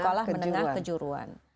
sekolah menengah kejuruan